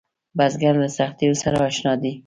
بزګر له سختیو سره اشنا دی